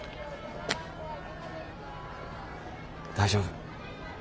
大丈夫。